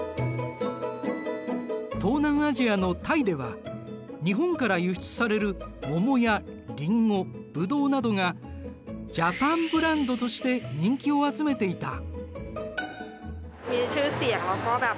東南アジアのタイでは日本から輸出される桃やリンゴブドウなどがＪＡＰＡＮブランドとして人気を集めていた。